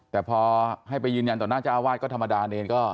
แต่พอให้ไปยืนยันต่อหน้าเจ้าอาวาสก็ธรรมดาเนรก็